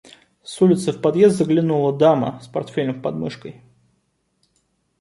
С улицы в подъезд заглянула дама с портфелем подмышкой.